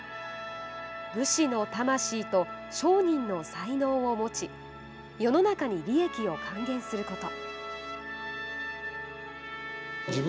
武士の魂と商人の才能を持ち世の中に利益を還元すること。